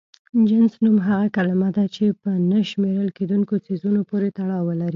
جنس نوم هغه کلمه ده چې په نه شمېرل کيدونکو څيزونو پورې تړاو ولري.